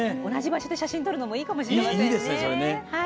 同じ場所で写真を撮るのもいいかもしれませんね。